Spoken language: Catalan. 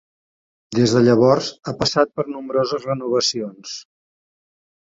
Des de llavors ha passat per nombroses renovacions.